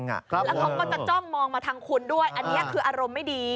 แล้วเขาก็จะจ้องมองมาทางคุณด้วยอันนี้คืออารมณ์ไม่ดี